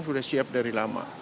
pdp udah siap dari lama